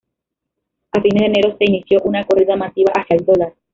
A fines de enero se inició una corrida masiva hacia el dólar.